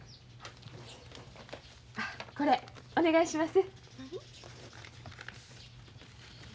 あこれお願いします。